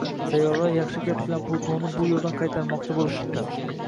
Sayyoralar yaxshi gap bilan Plutonni bu yoʻldan qaytarmoqchi boʻlishibdi